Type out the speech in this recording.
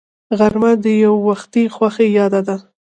غرمه د یووختي خوښۍ یاد ده